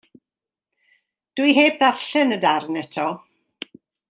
Dwi heb ddarllen y darn eto.